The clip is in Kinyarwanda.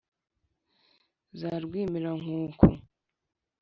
Za Rwimirankuku,